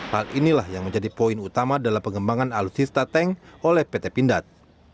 hal inilah yang menjadi poin utama dalam pengembangan alutsista tank oleh pt pindad